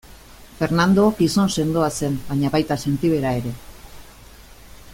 Fernando gizon sendoa zen baina baita sentibera ere.